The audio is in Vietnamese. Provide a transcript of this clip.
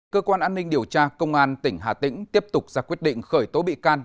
cơ quan an ninh điều tra công an tỉnh hà tĩnh tiếp tục ra quyết định khởi tố bị can